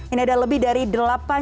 ini ada lebih dari delapan